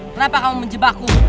kenapa kamu menjebakku